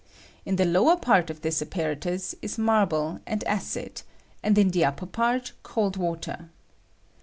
In the lower part of this apparatus is marble and acid, and in the upper part cold water.